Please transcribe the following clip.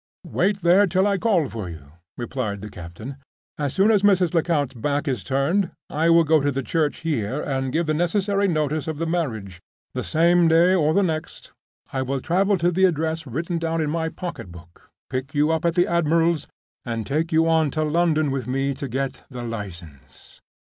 "Wait there till I call for you," replied the captain. "As soon as Mrs. Lecount's back is turned, I will go to the church here and give the necessary notice of the marriage. The same day or the next, I will travel to the address written down in my pocketbook, pick you up at the admiral's, and take you on to London with me to get the license.